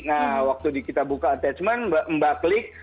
nah waktu kita buka attachment mbak klik